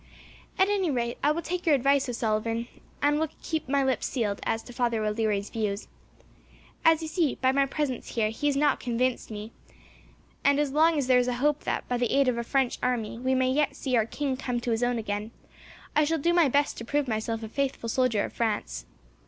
"At any rate, I will take your advice, O'Sullivan, and will keep my lips sealed, as to Father O'Leary's views. As you see, by my presence here, he has not convinced me, and as long as there is a hope that, by the aid of a French army, we may yet see our king come to his own again, I shall do my best to prove myself a faithful soldier of France.